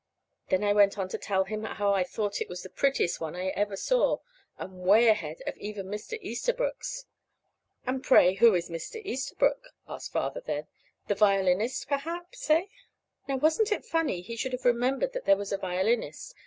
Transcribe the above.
Then I went on to tell him how I thought it was the prettiest one I ever saw, and 'way ahead of even Mr. Easterbrook's. "And, pray, who is Mr. Easterbrook?" asked Father then. "The violinist, perhaps eh?" Now, wasn't it funny he should have remembered that there was a violinist?